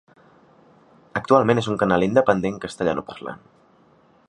Actualment és un canal independent castellanoparlant.